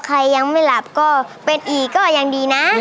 ใครยังไม่หลับก็เป็นอีกก็ยังดีนะ